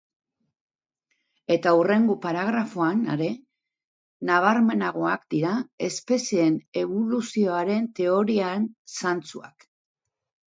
Eta hurrengo paragrafoan are nabarmenagoak dira espezieen eboluzioaren teoriaren zantzuak.